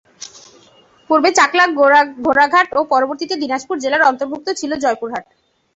পূর্বে চাকলা ঘোড়াঘাট এবং পরবর্তীতে দিনাজপুর জেলার অন্তর্ভুক্ত ছিল জয়পুরহাট।